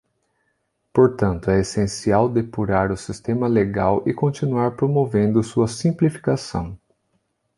Portanto, é essencial depurar o sistema legal e continuar promovendo sua simplificação.